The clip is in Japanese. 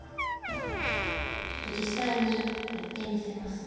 ちょっと実際にやってみせますね。